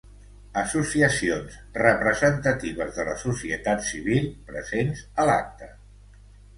Associacions representatives de la societat civil presents a l’acte.